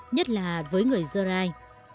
nhất là với người dơ rai